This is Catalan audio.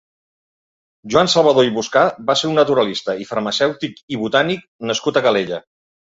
Joan Salvador i Boscà va ser un naturalista i farmacèutic i botànic nascut a Calella.